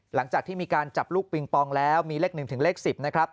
หลังจากที่มีการจับลูกปิงปองแล้วมีเลข๑ถึงเลข๑๐นะครับ